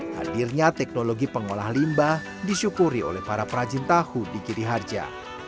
hadirnya teknologi pengolah limbah disyukuri oleh para perajin tahu di giriharja